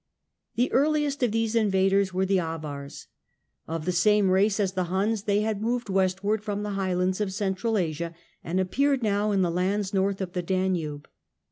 The earliest if these invaders were the Avars. Of the same race as :he Huns, they had moved westward from the high ands of Central Asia, and appeared now in the lands lorth of the Danube.